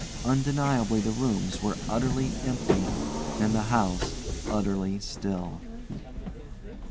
Undeniably the rooms were utterly empty, and the house utterly still.